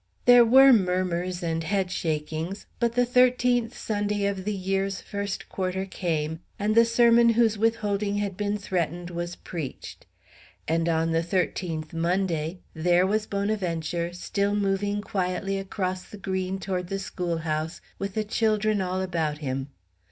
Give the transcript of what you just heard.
There were murmurs and head shakings; but the thirteenth Sunday of the year's first quarter came, and the sermon whose withholding had been threatened was preached. And on the thirteenth Monday there was Bonaventure, still moving quietly across the green toward the schoolhouse with the children all about him.